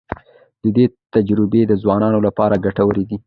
د ده تجربې د ځوانانو لپاره ګټورې دي.